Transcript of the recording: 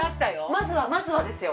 まずはまずはですよ